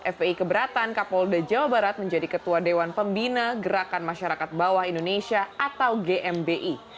fpi keberatan kapolda jawa barat menjadi ketua dewan pembina gerakan masyarakat bawah indonesia atau gmi